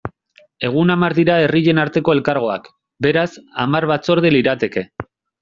Egun hamar dira herrien arteko elkargoak, beraz, hamar batzorde lirateke.